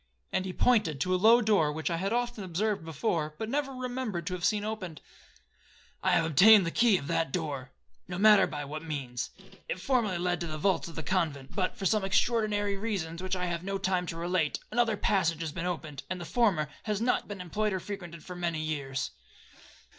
and he pointed to a low door which I had often observed before, but never remembered to have seen opened; 'I have obtained the key of that door,—no matter by what means. It formerly led to the vaults of the convent, but, for some extraordinary reasons, which I have not time to relate, another passage has been opened, and the former has not been employed or frequented for many years.